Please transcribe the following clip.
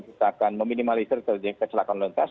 kita akan meminimalisir kerja keselakuan lantas